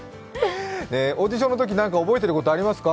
オーディションのとき、何か覚えていることはありますか？